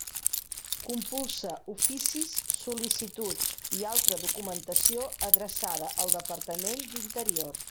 Compulsa oficis, sol·licituds i altra documentació adreçada al Departament d'Interior.